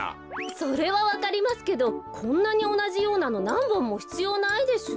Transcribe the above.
それはわかりますけどこんなにおなじようなのなんぼんもひつようないでしょ？